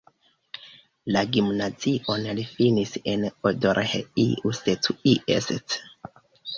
La gimnazion li finis en Odorheiu Secuiesc.